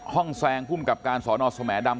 ห้องแบบแรงพูมกับการสวนอสมแหมดำ